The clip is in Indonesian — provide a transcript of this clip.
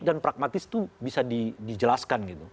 dan pragmatis itu bisa dijelaskan